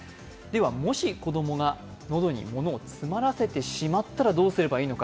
もし子供が喉にものを詰まらせてしまったらどうすればいいのか。